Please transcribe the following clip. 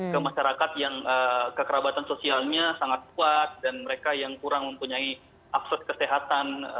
ke masyarakat yang kekerabatan sosialnya sangat kuat dan mereka yang kurang mempunyai akses kesehatan